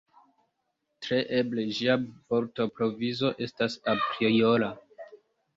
Tre eble ĝia vortprovizo estas apriora.